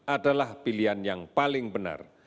adalah pilihan yang paling benar